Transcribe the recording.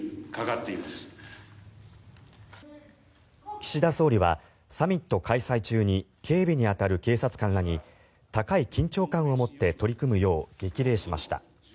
岸田総理はサミット開催中に警備に当たる警察官らに高い緊張感を持って取り組むよう激励しました。